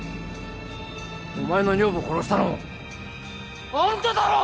お前の女房殺したのもあんただろ！